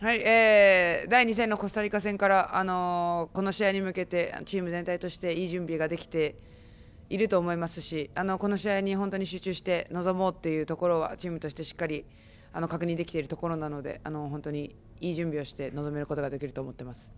第２戦のコスタリカ戦からこの試合に向けてチーム全体としていい準備ができていると思いますしこの試合に本当に集中して臨もうというところはチームとして、しっかり確認できているところなので本当に、いい準備をして臨めることができると思っています。